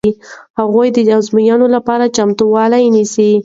هغوی د ازموینې لپاره چمتووالی نیسي.